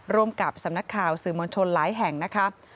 ร่วมกับสำนักข่าวสื่อมวลชนหลายแห่งนะคะ